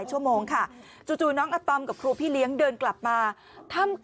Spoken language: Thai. แล้วน้องป่วยเป็นเด็กออทิสติกของโรงเรียนศูนย์การเรียนรู้พอดีจังหวัดเชียงใหม่นะคะ